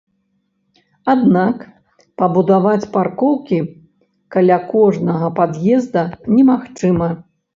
Аднак пабудаваць паркоўкі каля кожнага пад'езда немагчыма.